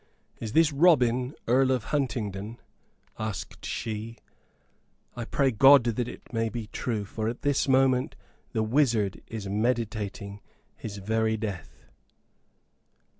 "Is this Robin Earl of Huntingdon?" asked she. "I pray God that it may be true, for at this moment the wizard is meditating his very death."